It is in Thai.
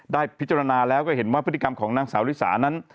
ได้พิจารณาแล้วก็เห็นว่าพฤติกรรมของนางสาวลิสานั้น